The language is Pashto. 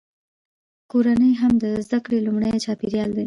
کورنۍ هم د زده کړې لومړنی چاپیریال دی.